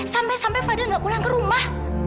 sampai sampai fadil gak pulang ke rumah